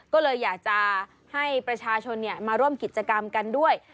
ก็เลยอยากจะให้ประชาชนมาร่วมกิจกรรมกันด้วย